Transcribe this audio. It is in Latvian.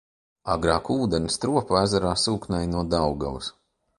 Agrāk ūdeni Stropu ezerā sūknēja no Daugavas.